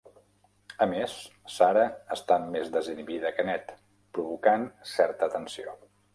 A més, Sara està més desinhibida que Ned, provocant certa tensió.